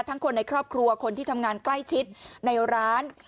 คนในครอบครัวคนที่ทำงานใกล้ชิดในร้าน